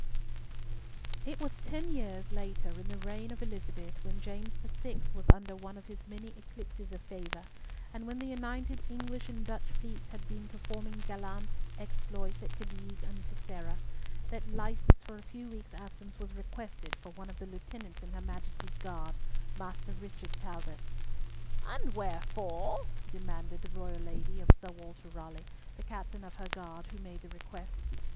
It was ten years later in the reign of Elizabeth, when James VI. was under one of his many eclipses of favour, and when the united English and Dutch fleets had been performing gallant exploits at Cadiz and Tercera, that license for a few weeks' absence was requested for one of the lieutenants in her Majesty's guard, Master Richard Talbot. "And wherefore?" demanded the royal lady of Sir Walter Raleigh, the captain of her guard, who made the request.